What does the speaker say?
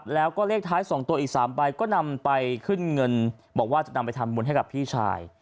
แล้วก็เลขท้าย๒ตัวอีก๓ใบก็นำไปขึ้นเงินบอกว่าจะนำไปทำบุญให้กับพี่ชาย